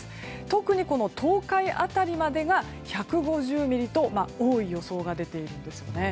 特に東海辺りまでが１５０ミリと多い予想が出ているんですよね。